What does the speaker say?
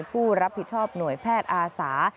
ผู้รับผิดชอบหน่วยแพทย์อาสา